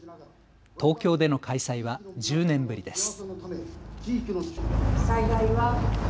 東京での開催は１０年ぶりです。